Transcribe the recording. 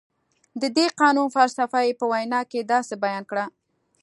د دې قانون فلسفه یې په وینا کې داسې بیان کړه.